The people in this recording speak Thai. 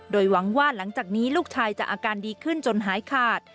โดยหวังว่าหลังจากนี้ลูกชายจะอาการดีขึ้นจนหายขาด